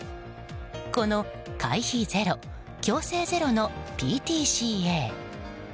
この会費ゼロ強制ゼロのＰＴＣＡ。